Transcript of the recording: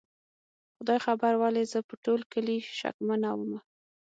خدای خبر ولې زه په ټول کلي شکمنه ومه؟